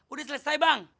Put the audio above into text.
udah selesai bang